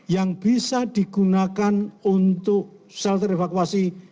yang bisa digunakan untuk shelter evakuasi